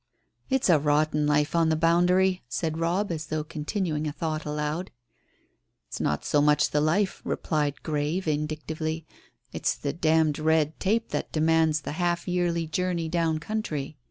"It's a rotten life on the boundary," said Robb, as though continuing a thought aloud. "It's not so much the life," replied Grey vindictively, "it's the d d red tape that demands the half yearly journey down country.